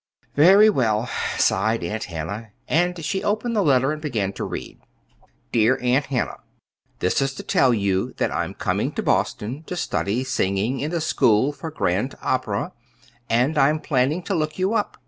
"Very well," sighed Aunt Hannah; and she opened the letter and began to read. "DEAR AUNT HANNAH: This is to tell you that I'm coming to Boston to study singing in the school for Grand Opera, and I'm planning to look you up.